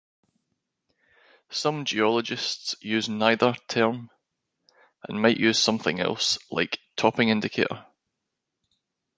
Some geologists use neither term, and might use something else, like topping indicator.